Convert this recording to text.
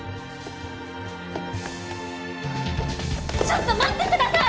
ちょっと待って下さい！